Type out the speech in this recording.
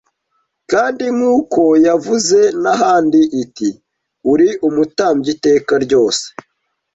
’ Kandi nk’uko yavuze n’ahandi iti: ‘uri Umutambyi iteka ryose,